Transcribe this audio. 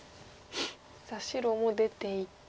さあ白も出ていって。